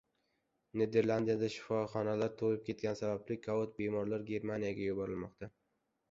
Niderlandiyada shifoxonalar to‘lib ketgani sababli kovid-bemorlar Germaniyaga yuborilmoqda